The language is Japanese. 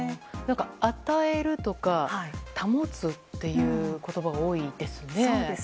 与えるとか保つという言葉が多いですね。